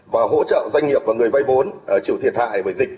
và hỗ trợ doanh nghiệp và người vay vốn chịu thiệt hại bởi dịch